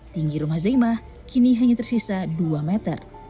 tinggi rumah zaimah kini hanya tersisa dua meter